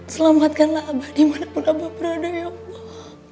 selamatkanlah abah di mana pun abah berada ya allah